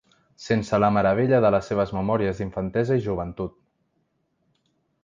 Sense la meravella de les seves memòries d’infantesa i joventut.